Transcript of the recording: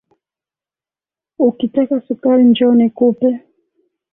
Ukitaka sukari njoo nikupee